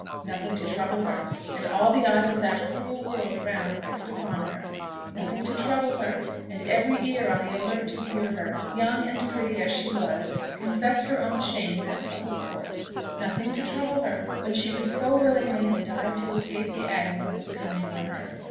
Nothing to trouble her, and all the eyes of that cruel world around fixed upon her! Nothing to trouble her, and every ear on the alert to hear her, young and pretty as she was, confess her own shame in that public court! Nothing to trouble her, when she would so willingly have died to escape the agony that was coming on her!